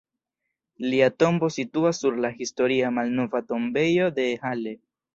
Lia tombo situas sur la historia Malnova tombejo de Halle.